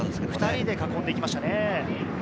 ２人で囲んでいきました。